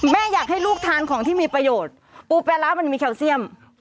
แม่อยากให้ลูกทานของที่มีประโยชน์ปูปลาร้ามันมีแคลเซียม